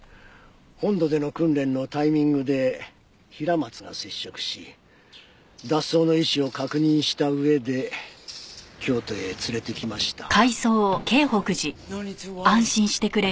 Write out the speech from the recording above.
本土での訓練のタイミングで平松が接触し脱走の意思を確認した上で京都へ連れてきました。